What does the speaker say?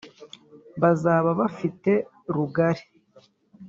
bazaba bafite rugari”